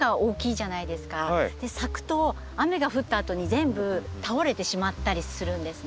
咲くと雨が降ったあとに全部倒れてしまったりするんですね。